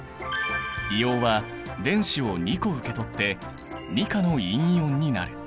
硫黄は電子を２個受け取って２価の陰イオンになる。